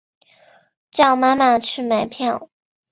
叫妈妈去买票